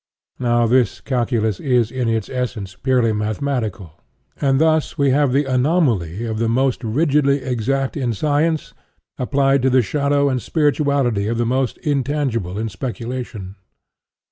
Now this Calculus is, in its essence, purely mathematical; and thus we have the anomaly of the most rigidly exact in science applied to the shadow and spirituality of the most intangible in speculation.